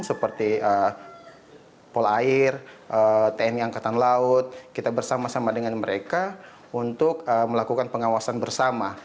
seperti polair tni angkatan laut kita bersama sama dengan mereka untuk melakukan pengawasan bersama